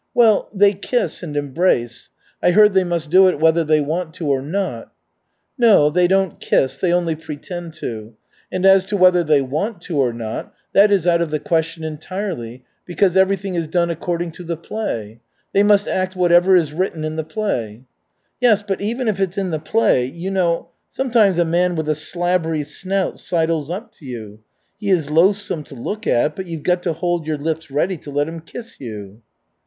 "Well, they kiss and embrace. I heard they must do it whether they want to or not." "No, they don't kiss they only pretend to. And as to whether they want to or not, that is out of the question entirely, because everything is done according to the play. They must act whatever is written in the play." "Yes, but even if it's in the play you know sometimes a man with a slabbery snout sidles up to you. He is loathsome to look at, but you've got to hold your lips ready to let him kiss you."